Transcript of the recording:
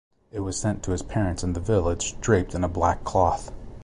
It was sent to his parents in the village draped in a black cloth.